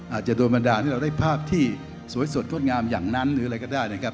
อาจจะโดนบรรดาที่เราได้ภาพที่สวยสดงดงามอย่างนั้นหรืออะไรก็ได้นะครับ